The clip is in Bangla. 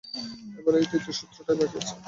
এবার এই তৃতীয় সূত্রটাই বাকি আছে।